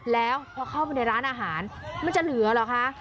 แล้วพอเข้าไปในร้านอาหารมันจะเหลือเหรอคะ